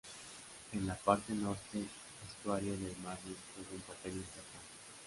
En la parte norte estuario del Marne juega un papel importante.